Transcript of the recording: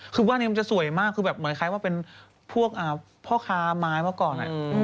คือบ้านนี้มันจะสวยมากคือเหมือนกันเหมือนคนที่เป็นพ่อคาม้ายเมื่อก่อน